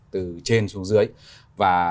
từ trên xuống dưới và